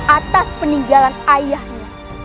atas peninggalan ayahnya